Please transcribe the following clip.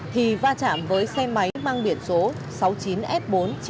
thì va chạm với xe máy mang biển số sáu mươi chín f bốn mươi chín nghìn chín mươi tám